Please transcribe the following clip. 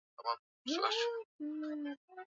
Eamon Gilmore alisema